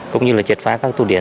cũng như là triệt phá các tù điển